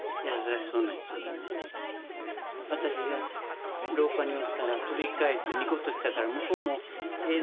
私が廊下におったら振り返ってニコッとしたから向こうもええな思たんやろね。